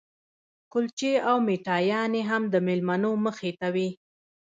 کلچې او میټایانې هم د مېلمنو مخې ته وې.